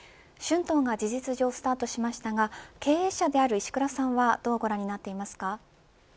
春闘が事実上スタートしましたが経営者である石倉さんはどうご覧になっていますか。